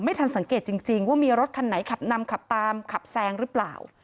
ทันสังเกตจริงว่ามีรถคันไหนขับนำขับตามขับแซงหรือเปล่า